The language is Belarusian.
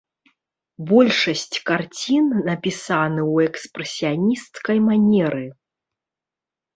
Большасць карцін напісаны ў экспрэсіянісцкай манеры.